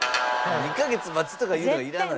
２カ月待つとかいうの。